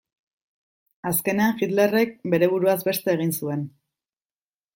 Azkenean Hitlerrek bere buruaz beste egin zuen.